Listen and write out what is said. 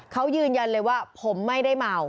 เขายืนยันเลยว่าผมไม่ได้เมา